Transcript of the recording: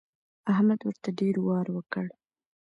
احمد ورته ډېر وار وکړ.